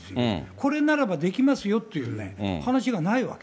これならばできますよっていうね、話がないわけ。